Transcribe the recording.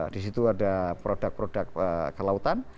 di situ ada produk produk kelautan